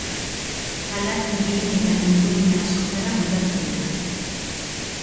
Palak zeregin eta ingurune askotara moldatu dira.